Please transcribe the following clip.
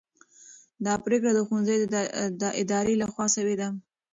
دا پرېکړه د ښوونځي د ادارې لخوا سوې ده.